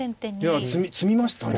いや詰みましたね。